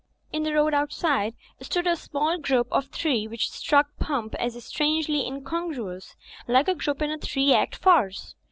In the road outside stood a group of three which struck Pump as strangely incongruous, like a group in a three act farce.